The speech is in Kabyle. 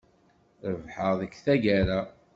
Rebḥeɣ deg tagara.